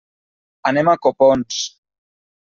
Anem a Copons.